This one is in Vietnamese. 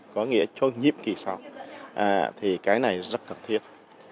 có nghĩa cho nhiệm kỳ sau thì cái này rất cần thiết